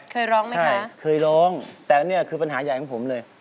เคยร้องมั้ยคะใช่เคยร้องแต่นี่คือปัญหาใหญ่ของผมเลย